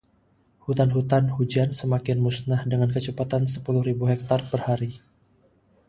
Hutan-hutan hujan semakin musnah dengan kecepatan sepuluh ribu hektar per hari.